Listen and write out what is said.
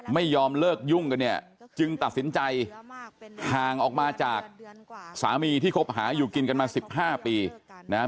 ไม่ยอมเลิกยุ่งกันเนี่ยจึงตัดสินใจห่างออกมาจากสามีที่คบหาอยู่กินกันมาสิบห้าปีนะฮะ